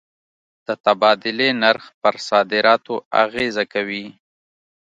د تبادلې نرخ پر صادراتو اغېزه کوي.